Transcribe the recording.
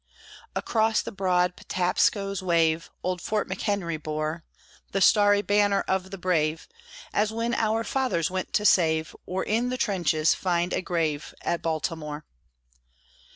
Across the broad Patapsco's wave, Old Fort McHenry bore The starry banner of the brave, As when our fathers went to save, Or in the trenches find a grave At Baltimore.